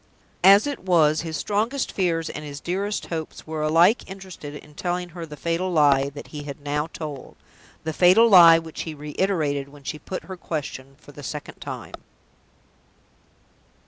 As it was, his strongest fears and his dearest hopes were alike interested in telling her the fatal lie that he had now told the fatal lie which he reiterated when she put her question for the second time.